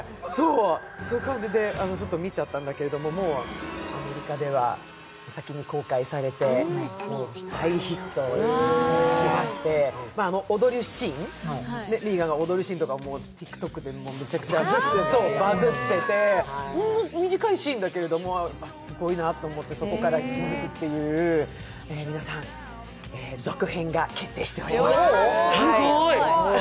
そういう感じで見ちゃったんだけれども、もうアメリカでは先に公開されて大ヒットしましてミーガンが踊るシーンとかＴｉｋＴｏｋでめちゃくちゃバズッてて短いシーンだけれどもすごいなと思ってそこから伝わるっていう皆さん、続編が決定しております。